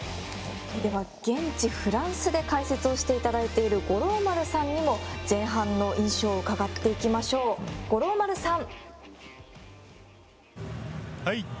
現地・フランスで解説していただいている五郎丸さんにも前半の印象を伺っていきましょう、五郎丸さん。